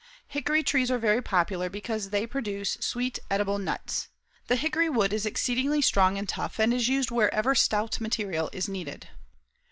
Hickory trees are very popular because they produce sweet, edible nuts. The hickory wood is exceedingly strong and tough and is used wherever stout material is needed.